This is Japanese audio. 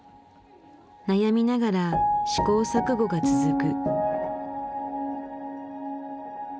悩みながら試行錯誤が続く。